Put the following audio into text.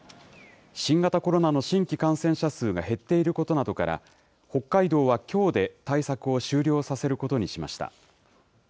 新型コロナの新規感染者数が減っていることなどから、北海道はきょうで対策を終了させることにしました。